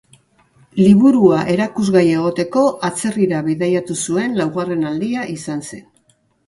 Liburua erakusgai egoteko atzerrira bidaiatu zuen laugarren aldia izan zen.